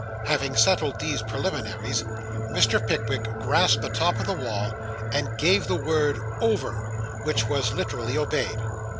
Having settled these preliminaries, Mr. Pickwick grasped the top of the wall, and gave the word 'Over,' which was literally obeyed.